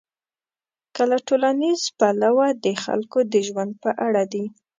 که له ټولنیز پلوه د خلکو د ژوند په اړه دي.